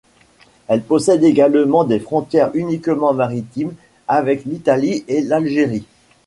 Elle possède également des frontières uniquement maritimes avec l'Italie et l'Algérie.